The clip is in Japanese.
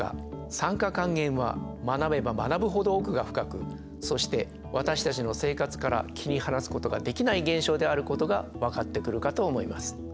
酸化・還元は学べば学ぶほど奥が深くそして私たちの生活から切り離すことができない現象であることが分かってくるかと思います。